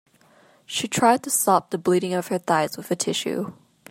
She tried to stop the bleeding of her thighs with a tissue.